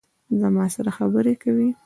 زما سره خبرې کوي